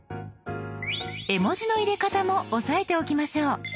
絵文字の入れ方も押さえておきましょう。